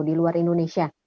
di luar indonesia